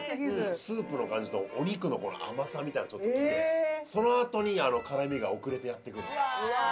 スープの感じとお肉の甘さみたいなのがちょっと来てその後に辛味が遅れてやって来るね。